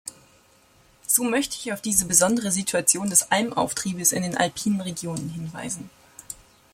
So möchte ich auf diese besondere Situation des Almauftriebes in den alpinen Regionen hinweisen.